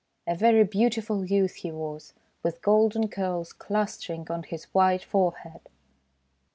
A very beautiful youth he was, with golden curls clustering on his white forehead.